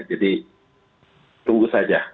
jadi tunggu saja